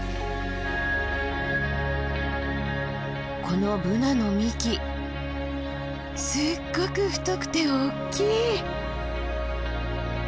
このブナの幹すっごく太くて大きい！